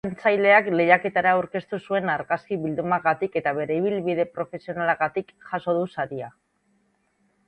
Ile-apaintzaileak lehiaketara aurkeztu zuen argazki bildumagatik eta bere ibilbide profesionalagatik jaso du saria.